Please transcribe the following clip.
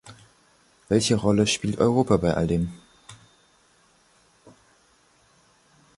Welche Rolle spielt Europa bei alldem?